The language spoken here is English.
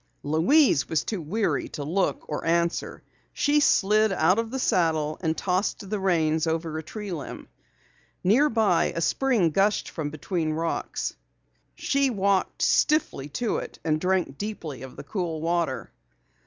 Louise was too weary to look or answer. She slid out of the saddle and tossed the reins over a tree limb. Near by a spring gushed from between the rocks. She walked stiffly to it and drank deeply of the cool water.